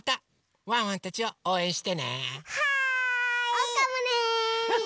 おうかもね！